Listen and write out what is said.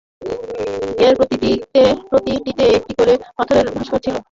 এর প্রতিটিতে একটি করে পাথরের ভাস্কর্য ছিলো।